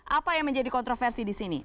apa yang menjadi kontroversi disini